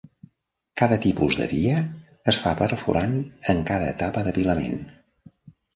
Cada tipus de via es fa perforant en cada etapa d'apilament.